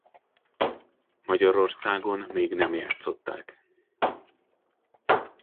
Magyarországon még nem játszották.